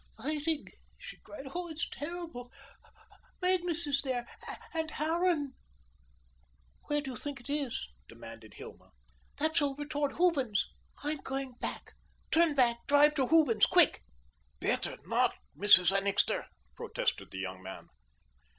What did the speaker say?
"Fighting," she cried, "oh, oh, it's terrible. Magnus is there and Harran." "Where do you think it is?" demanded Hilma. "That's over toward Hooven's." "I'm going. Turn back. Drive to Hooven's, quick." "Better not, Mrs. Annixter," protested the young man.